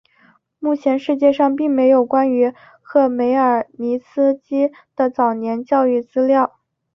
目前世界上并没有关于赫梅尔尼茨基的早年教育的资料。